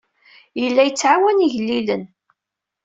Yella yettɛawan igellilen.